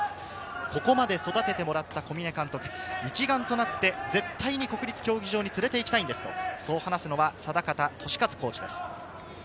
ここまで育ててもらった小嶺監督、絶対に国立競技場に連れてきたいと話すのは定方敏和コーチです。